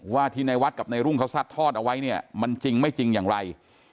ว่าที่ในวัดกับในรุ่งเขาซัดทอดเอาไว้เนี่ยมันจริงไม่จริงอย่างไร